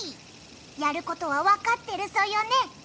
やることはわかってるソヨね？